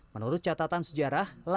menurut catatan sejarah